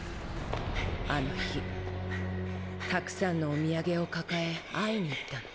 あの日たくさんのお土産を抱え会いに行ったの。